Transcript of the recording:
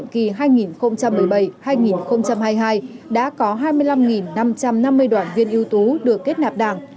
kỳ hai nghìn một mươi bảy hai nghìn hai mươi hai đã có hai mươi năm năm trăm năm mươi đoàn viên ưu tú được kết nạp đảng